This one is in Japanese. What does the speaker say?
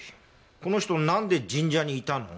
この人なんで神社にいたの？